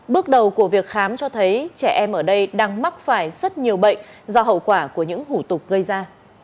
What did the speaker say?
bước đầu của việc khám cho thấy trẻ em ở đây đang mắc phải rất nhiều bệnh do hậu quả của những hủ tục gây ra